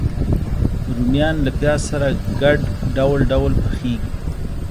رومیان له پیاز سره ګډ ډول ډول پخېږي